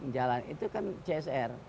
jalan itu kan csr